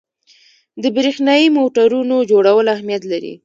د برېښنايي موټورونو جوړول اهمیت لري.